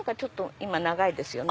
今長いですよね。